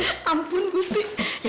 ya sudah kamu hati hatinya